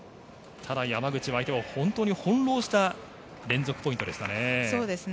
ただ、山口は今日本当に翻ろうした連続ポイントでしたね。